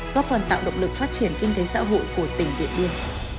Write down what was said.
góp phần tạo động lực phát triển kinh tế xã hội của tỉnh điện biên